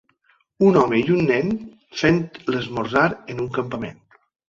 Un home i un nen fent l'esmorzar en un campament.